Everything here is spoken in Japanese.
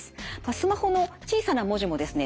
スマホの小さな文字もですね